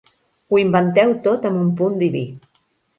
Ho inventeu tot amb un punt diví.